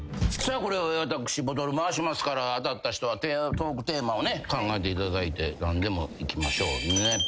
私ボトル回しますから当たった人はトークテーマをね考えていただいて何でもいきましょうね。